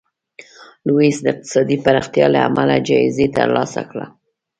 لویس د اقتصادي پراختیا له امله جایزه ترلاسه کړه.